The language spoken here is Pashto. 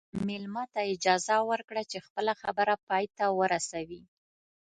مېلمه ته اجازه ورکړه چې خپله خبره پای ته ورسوي.